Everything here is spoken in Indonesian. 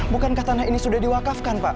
bukankah tanah ini sudah di wakafkan pak